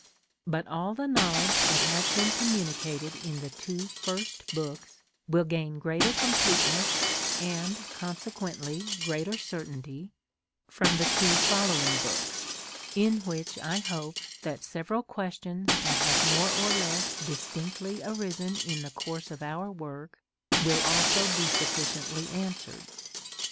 But all the knowledge that has been communicated in the two first books will gain greater completeness, and consequently greater certainty, from the two following books, in which I hope that several questions that have more or less distinctly arisen in the course of our work will also be sufficiently answered.